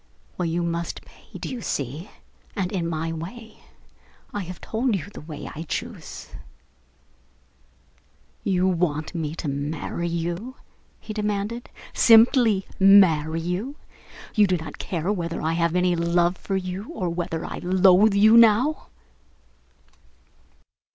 Well, you must pay, do you see, and in my way? I have told you the way I choose." "You want me to marry you?" he demanded "simply marry you? You do not care whether I have any love for you or whether I loathe you now."